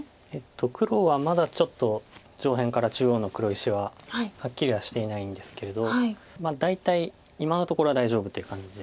黒はまだちょっと上辺から中央の黒石ははっきりはしていないんですけれど大体今のところは大丈夫という感じです。